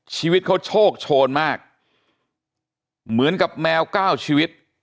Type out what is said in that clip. ชีวิตเขาโชคโชนมากเหมือนกับแมวเก้าชีวิต